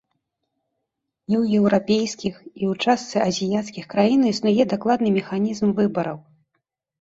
І ў еўрапейскіх, і ў частцы азіяцкіх краін існуе дакладны механізм выбараў.